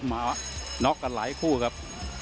มาน็อกกันหลายคู่ครับ